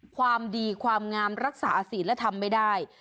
ความดีความงามรักษาศีลและทำไม่ได้